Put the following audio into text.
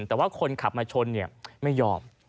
แต่ว่าคนขับมาชนไม่ยอม